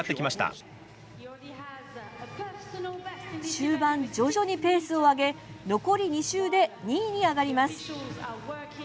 終盤、徐々にペースを上げ残り２周で２位に上がります。